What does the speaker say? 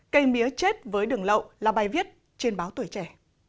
cây mía chết với đường lậu là bài viết trên báo tuổi trẻ